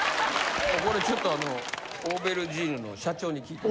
これちょっとあのオーベルジーヌの社長に聞いて。